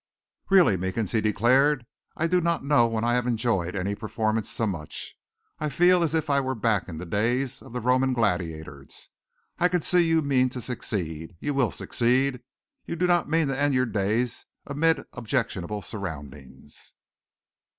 "Really, Meekins," he declared, "I do not know when I have enjoyed any performance so much. I feel as if I were back in the days of the Roman gladiators. I can see that you mean to succeed. You will succeed. You do not mean to end your days amid objectionable surroundings."